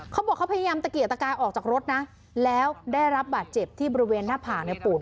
เขาบอกเขาพยายามตะเกียกตะกายออกจากรถนะแล้วได้รับบาดเจ็บที่บริเวณหน้าผากในปูด